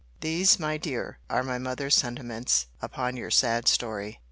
These, my dear, are my mother's sentiments upon your sad story.